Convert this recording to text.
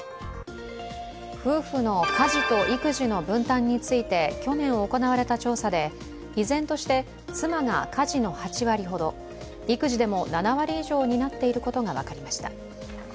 夫婦の家事と育児の分担について去年行われた調査で依然として、妻が家事の８割ほど育児でも７割以上を担っていることが分かりました。